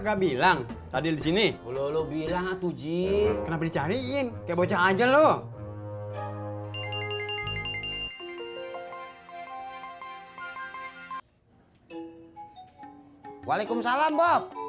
kak bilang tadi disini lo bilang atuji kenapa dicariin kebocor aja loh walaikum salam bob